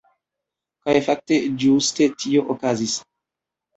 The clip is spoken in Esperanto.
Kaj fakte ĝuste tio okazis.